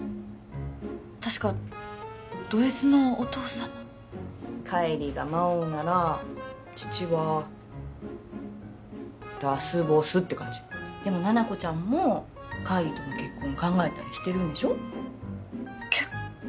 確かドＳのお父様浬が魔王なら父はラスボスって感じでも七子ちゃんも浬との結婚考えたりしてるんでしょ結婚？